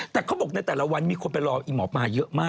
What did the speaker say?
แต่เขาบอกในแต่ละวันมีคนไปรออีหมอปลาเยอะมาก